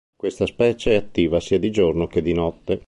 Questa specie è attiva sia di giorno che di notte.